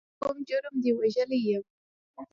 په کوم جرم دې وژلی یم.